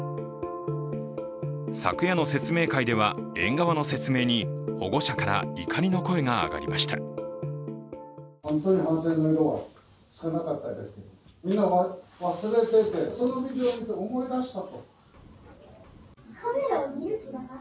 昨夜の説明会では園側の説明に保護者から怒りの声が揚がりました。